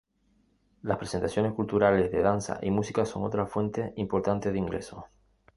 Las presentaciones culturales de danza y música son otra fuente importante de ingresos.